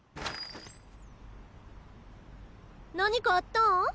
何かあったん？